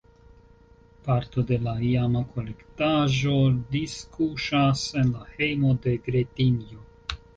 Parto de la iama kolektaĵo diskuŝas en la hejmo de Gretinjo.